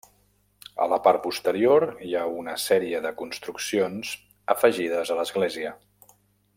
A la part posterior hi ha una sèrie de construccions afegides a l'església.